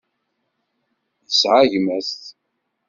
Yesεa gma-s?